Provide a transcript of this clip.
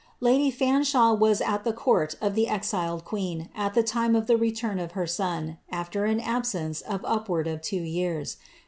Lady Fanshawe was at the court of the exiled queen at the time of the return of her son, after an absence of upwards of two yeara.